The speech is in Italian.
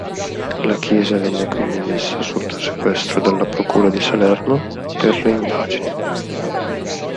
La chiesa venne quindi messa sotto sequestro dalla procura di Salerno per le indagini.